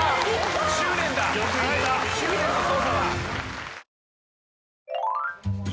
執念の捜査だ。